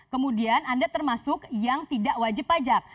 kemudian anda termasuk yang tidak wajib pajak